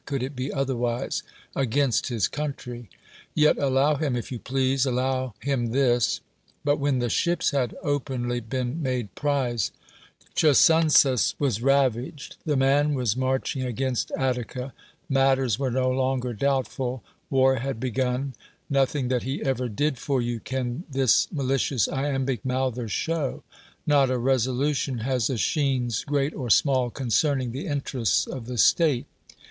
could it be otherwise? — against his coun try ! Yet allow him if you please, allow him this. But when the ships had openly been made prize, Chersonesus wjs ravaged, the man was march ing against Attica, matters were no longer doubt ful, war had begun — nothing that he ever did for you can this malicious iambic mouther show — not a resolution has ^Eschines, great or small, concerning the interests of the state.